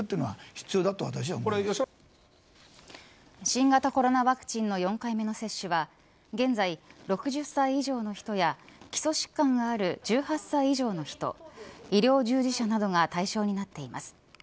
新型コロナワクチンの４回目の接種は現在６０歳以上の人や基礎疾患がある１８歳以上の人医療従事者などが対象になっています。